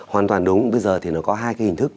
hoàn toàn đúng bây giờ thì nó có hai cái hình thức